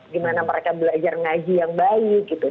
gimana mereka belajar ngaji yang baik gitu